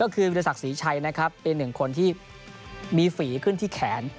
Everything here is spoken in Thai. ก็คือวิทยาศักดิ์ศรีชัยนะครับเป็นหนึ่งคนที่มีฝีขึ้นที่แขน